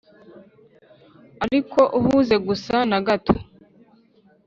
ariko uhuze gusa na gato,